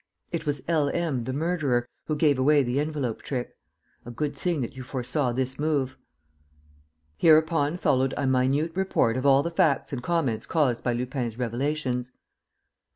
"It was L. M., the murderer, who gave away the envelope trick. A good thing that you foresaw this move!" Hereupon followed a minute report of all the facts and comments caused by Lupin's revelations.